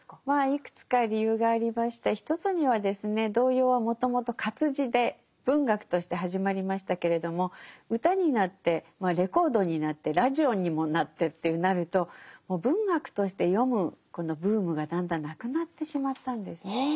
まあいくつか理由がありまして一つにはですね童謡はもともと活字で文学として始まりましたけれども歌になってレコードになってラジオにもなってってなるともう文学として読むこのブームがだんだんなくなってしまったんですね。